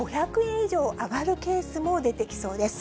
以上上がるケースも出てきそうです。